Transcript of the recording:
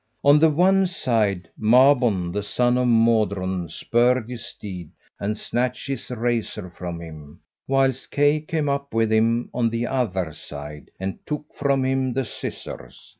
On the one side Mabon the son of Modron spurred his steed and snatched his razor from him, whilst Kay came up with him on the other side and took from him the scissors.